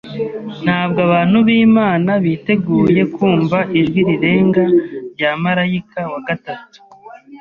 Ntabwo abantu b’Imana biteguye kumva ijwi rirenga rya marayika wa gatatu